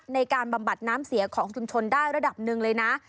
บำบัดน้ำเสียของชุมชนได้ระดับหนึ่งเลยนะ